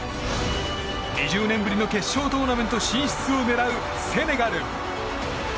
２０年ぶりの決勝トーナメント進出を狙うセネガル。